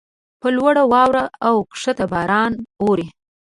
پر لوړو واوره اوکښته باران اوري.